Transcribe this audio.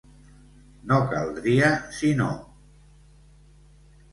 No caldria sinó!